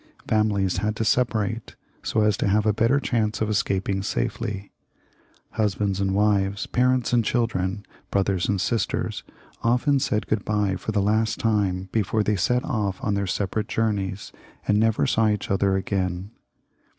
Fami lies had to separate, so as to have a better chance of escap ing safely; husbands and wives, parents and chHdren, brothers and sisters, often said good bye for the last time before they set oflf on theu* separate journeys, and never saw each other again.